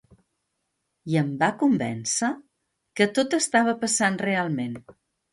I em va convèncer que tot estava passant realment.